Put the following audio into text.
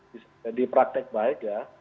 bisa dipraktek baik ya